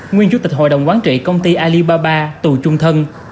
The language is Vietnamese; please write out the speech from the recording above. nguyên chủ tịch hội đồng quán trị công ty alibaba tù chung thân